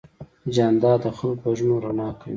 جانداد د خلکو په زړونو رڼا کوي.